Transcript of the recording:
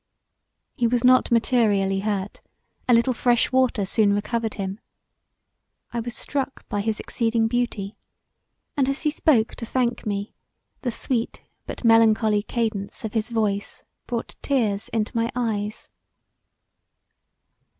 He was not materially hurt, a little fresh water soon recovered him. I was struck by his exceeding beauty, and as he spoke to thank me the sweet but melancholy cadence of his voice brought tears into my eyes.